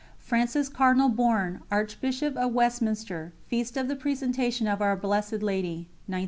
FRANCIS CARDINAL BOURNE, Archbishop of Westminster. Feast of the Presentation of Our Blessed Lady, 1912.